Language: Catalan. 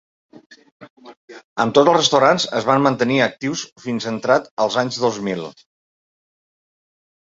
Amb tot, els restaurants es van mantenir actius fins entrat els anys dos mil.